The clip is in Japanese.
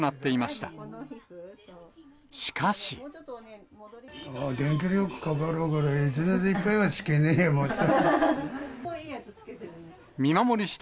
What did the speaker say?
しかし。